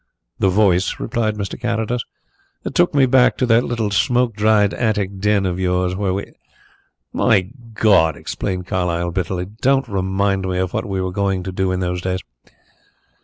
"The voice," replied Carrados. "It took me back to that little smoke dried attic den of yours where we " "My God!" exclaimed Carlyle bitterly, "don't remind me of what we were going to do in those days."